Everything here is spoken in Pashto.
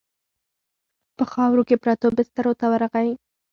په خاورو کې پرتو بسترو ته ورغی.